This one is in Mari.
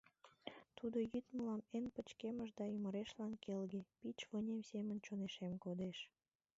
Тудо йӱд мылам эн пычкемыш да ӱмырешлан келге, пич вынем семын чонешем кодеш.